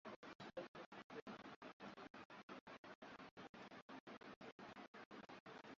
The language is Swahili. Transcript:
Mji mkuu wa kisiwa Cha pemba ni Chake Chake